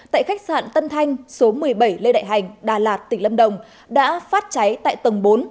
tại khách sạn tân thanh số một mươi bảy lê đại hành đà lạt tỉnh lâm đồng đã phát cháy tại tầng bốn